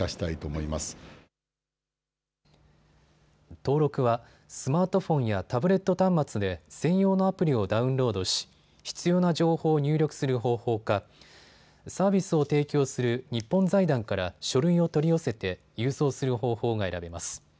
登録はスマートフォンやタブレット端末で専用のアプリをダウンロードし必要な情報を入力する方法かサービスを提供する日本財団から書類を取り寄せて郵送する方法が選べます。